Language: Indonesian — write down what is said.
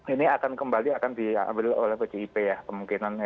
ini akan kembali akan diambil oleh pdip ya kemungkinannya